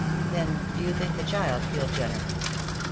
"Then, do you think the child killed Jenner?"